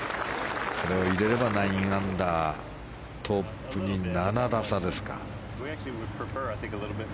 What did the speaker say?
これを入れれば９アンダートップに７打差ですか。